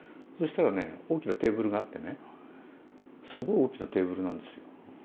そうしたら大きなテーブルがあってすごい大きなテーブルなんですよ。